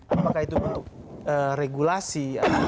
apakah itu untuk regulasi